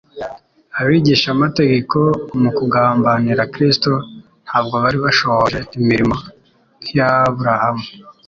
Abigishamategeko mu kugambanira Kristo, ntabwo bari bashohoje imirimo nk'iy'Aburahamu.